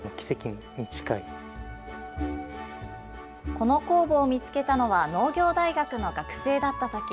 この酵母を見つけたのは、農業大学の学生だったとき。